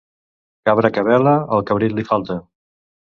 Cabra que bela, el cabrit li falta.